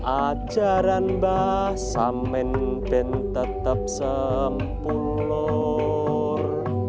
ajaran bah samen pen tetap sempulor